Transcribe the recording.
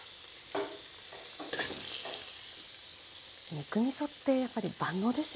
肉みそってやっぱり万能ですよね。